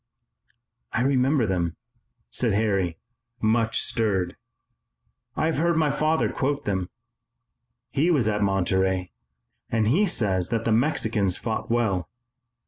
"I remember them," said Harry, much stirred. "I have heard my father quote them. He was at Monterey and he says that the Mexicans fought well.